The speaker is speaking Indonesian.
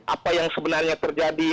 apa yang sebenarnya terjadi